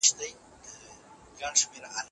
څه ته په ساندو کې سندرې لړې